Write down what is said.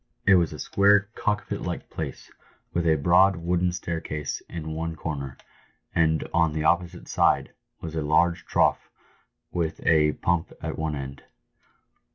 It was a square cockpit like place, with a broad, wooden staircase in one corner, and on the opposite side was a large trough with a pump at one end.